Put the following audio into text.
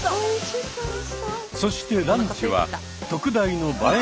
そしてランチは特大の映え